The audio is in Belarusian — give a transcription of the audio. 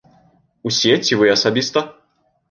Усе ці вы асабіста?